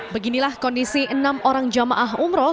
beginilah kondisi enam orang jamaah umroh